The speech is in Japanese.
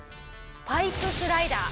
パイプスライダー。